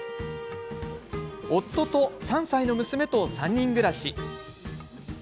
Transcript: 夫と３歳の娘と３人暮らし。